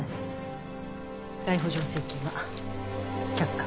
逮捕状請求は却下。